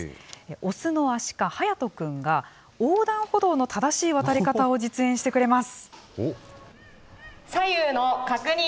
オスのアシカ、ハヤトくんが横断歩道の正しい渡り方を実演してくれます。